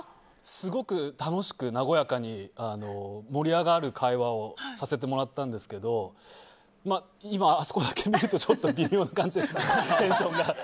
すごく楽しく和やかに盛り上がる会話をさせてもらったんですけど今あそこだけ見るとちょっと微妙な感じですね